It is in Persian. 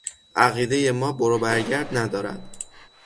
عقیدهٔ ما بروبرگرد ندارد.